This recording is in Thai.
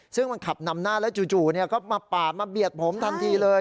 ซึ่งมันขับนำหน้าแล้วจู่ก็มาปาดมาเบียดผมทันทีเลย